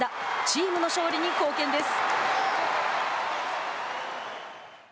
チームの勝利に貢献です。